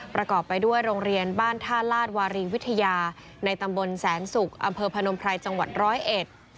ประกอบไปด้วยโรงเรียนบ้านท่าลาศวารีวิทยาในตำบลแสนศุกร์อำเภอพนมไพรจังหวัดร้อยเอ็ด